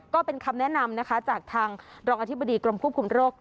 ก็เป็นคำแนะนำนะคะจากทางรองอธิบดีกรมควบคุมโรค